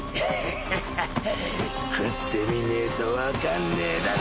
悒悒悄喰ってみねえと分かんねえだろ！